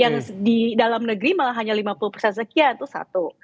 yang di dalam negeri malah hanya lima puluh persen sekian itu satu